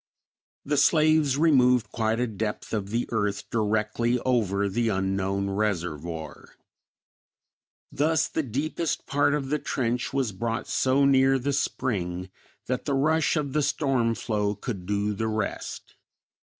The slaves removed quite a depth of the earth directly over the unknown reservoir; thus the deepest part of the trench was brought so near the spring that the rush of the storm flow could do the rest.